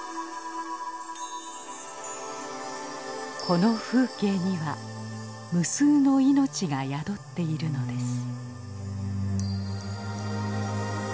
この風景には無数の命が宿っているのです。